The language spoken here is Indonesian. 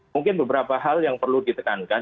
mungkin beberapa hal yang perlu ditekankan